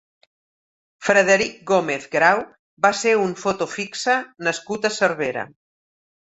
Frederic Gómez Grau va ser un foto fixa nascut a Cervera.